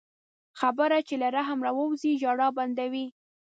خبره چې له رحم راووځي، ژړا بندوي